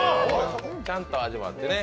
ちゃんと味わってね。